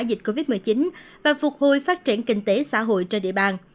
dịch covid một mươi chín và phục hồi phát triển kinh tế xã hội trên địa bàn